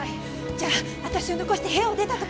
じゃあ私を残して部屋を出た時？